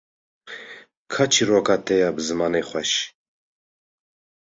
ka çîroka te ya bi zimanê xweş